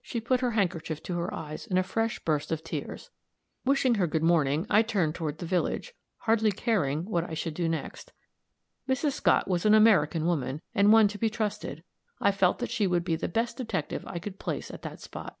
She put her handkerchief to her eyes in a fresh burst of tears. Wishing her good morning, I turned toward the village, hardly caring what I should do next. Mrs. Scott was an American woman, and one to be trusted; I felt that she would be the best detective I could place at that spot.